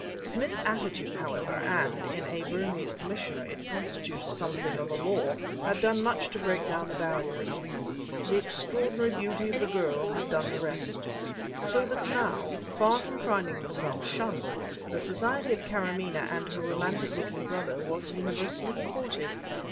Smith's attitude, however and, in a Burmese commissioner, it constituted something of a law had done much to break down the barriers; the extraordinary beauty of the girl had done the rest. So that now, far from finding themselves shunned, the society of Karamaneh and her romantic looking brother was universally courted.